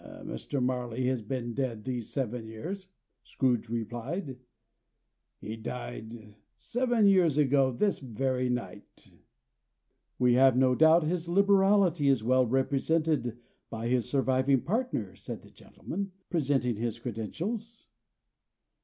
"Mr. Marley has been dead these seven years," Scrooge replied. "He died seven years ago, this very night." "We have no doubt his liberality is well represented by his surviving partner," said the gentleman, presenting his credentials.